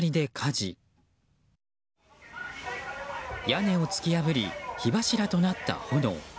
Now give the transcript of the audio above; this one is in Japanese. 屋根を突き破り火柱となった炎。